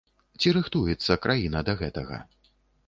Ці рыхтуецца краіна да гэтага?